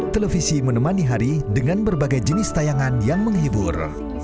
televisi menemani hari dengan berbagai jenis tayangan yang menghibur